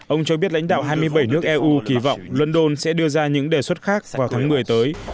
ông cho biết lãnh đạo hai mươi bảy nước eu kỳ vọng london sẽ đưa ra những đề xuất khác vào tháng một mươi tới